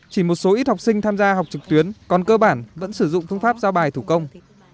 chỉ một số ít học sinh tham gia học trực tuyến còn cơ bản vẫn sử dụng phương pháp giao bài thủ công